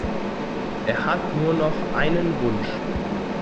Er hat nur noch einen Wunsch.